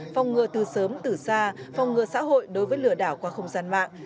phòng ngừa từ sớm từ xa phòng ngừa xã hội đối với lừa đảo qua không gian mạng